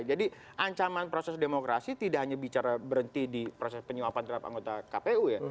jadi ancaman proses demokrasi tidak hanya bicara berhenti di proses penyuapan terhadap anggota kpu ya